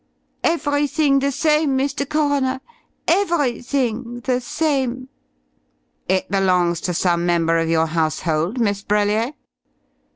Everything the same, Mr. Coroner; everything the same!" "It belongs to some member of your household, Miss Brellier?"